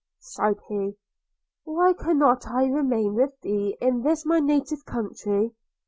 sighed he, 'why cannot I remain with thee in this my native country?